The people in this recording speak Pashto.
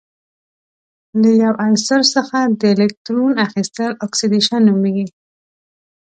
له یو عنصر څخه د الکترون اخیستل اکسیدیشن نومیږي.